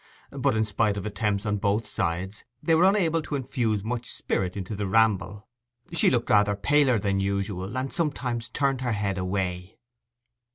But, in spite of attempts on both sides, they were unable to infuse much spirit into the ramble. She looked rather paler than usual, and sometimes turned her head away.